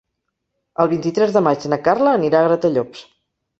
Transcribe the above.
El vint-i-tres de maig na Carla anirà a Gratallops.